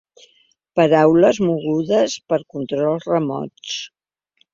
Paraules mogudes pels controls remots.